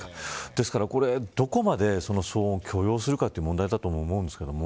ですから、どこまで騒音を許容するかという問題だとも思うんですけれども。